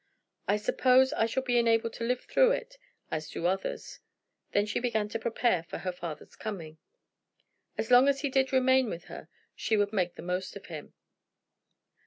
I suppose I shall be enabled to live through it, as do others." Then she began to prepare for her father's coming. As long as he did remain with her she would make the most of him.